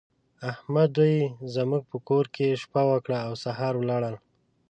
احمد دوی زموږ په کور کې شپه وکړه او سهار ولاړل.